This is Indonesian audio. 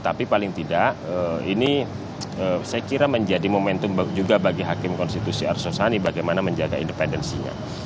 tapi paling tidak ini saya kira menjadi momentum juga bagi hakim konstitusi arso sani bagaimana menjaga independensinya